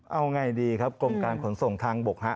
เอาไงดีครับกรมการขนส่งทางบกฮะ